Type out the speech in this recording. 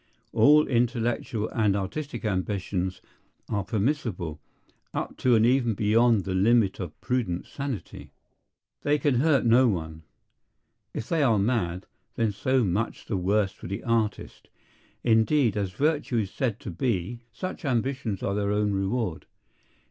All intellectual and artistic ambitions are permissible, up to and even beyond the limit of prudent sanity. They can hurt no one. If they are mad, then so much the worse for the artist. Indeed, as virtue is said to be, such ambitions are their own reward.